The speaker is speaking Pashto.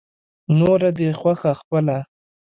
نوره دې خوښه خپله.